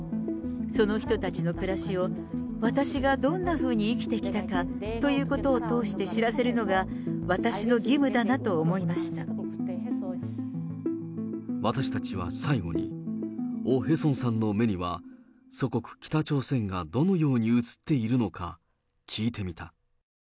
その人たちの暮らしを私がどんなふうに生きてきたかということを通して知らせるのが、私たちは最後に、オ・ヘソンさんの目には祖国、北朝鮮がどのように映っているのか、聞いてみた。